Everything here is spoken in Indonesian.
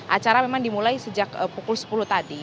acara memang dimulai sejak pukul sepuluh tadi